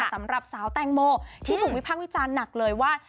สำหรับสาวแตงโมที่ถูกวิพากษ์วิจารณ์หนักเลยว่า